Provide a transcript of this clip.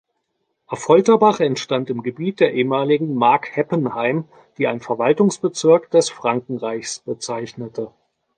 Affolterbach entstand im Gebiet der ehemaligen „Mark Heppenheim“ die ein Verwaltungsbezirk des Frankenreichs bezeichnete.